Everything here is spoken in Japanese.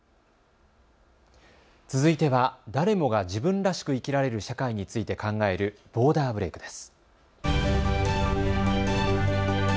続いては誰もが自分らしく生きられる社会について考えるボーダーブレイクです。